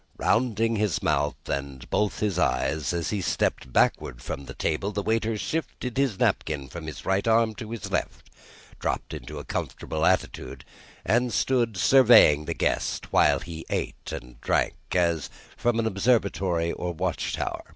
Rounding his mouth and both his eyes, as he stepped backward from the table, the waiter shifted his napkin from his right arm to his left, dropped into a comfortable attitude, and stood surveying the guest while he ate and drank, as from an observatory or watchtower.